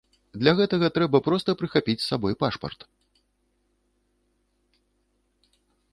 Для гэтага трэба проста прыхапіць з сабой пашпарт.